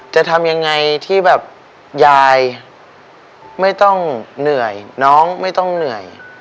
จะทำยังไงที่แบบยายไม่ต้องเหนื่อยน้องไม่ต้องเหนื่อย